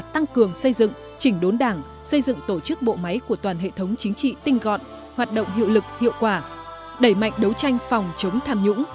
tăng cường xây dựng chỉnh đốn đảng xây dựng tổ chức bộ máy của toàn hệ thống chính trị tinh gọn hoạt động hiệu lực hiệu quả đẩy mạnh đấu tranh phòng chống tham nhũng